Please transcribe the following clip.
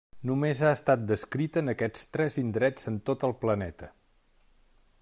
Només ha estat descrita en aquests tres indrets en tot el planeta.